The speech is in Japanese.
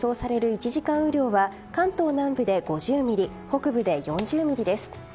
１時間雨量は関東南部で５０ミリ北部で４０ミリです。